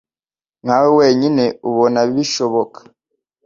nkawe wenyine ubona bishoboka